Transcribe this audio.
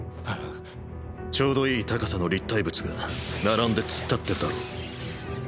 ちょうどいい高さの立体物が並んで突っ立ってるだろ？